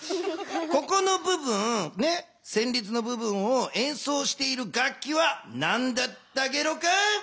ここの部分ねせんりつの部分をえんそうしている楽器はなんだったゲロか？